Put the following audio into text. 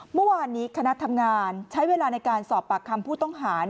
เมื่อวานนี้คณะทำงานใช้เวลาในการสอบปากคำผู้ต้องหา